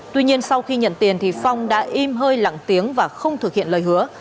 tuy nhiên sau khi nhận tiền thì phong đã im hơi lặng tiếng và không thực hiện lời hứa